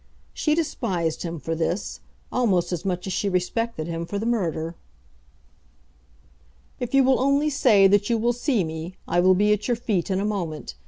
She despised him for this, almost as much as she respected him for the murder. If you will only say that you will see me, I will be at your feet in a moment.